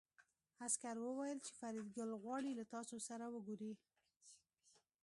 عسکر وویل چې فریدګل غواړي له تاسو سره وګوري